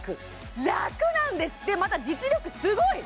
楽なんですでまた実力すごい！